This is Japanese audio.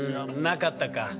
なかったか。